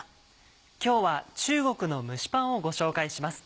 今日は中国の蒸しパンをご紹介します。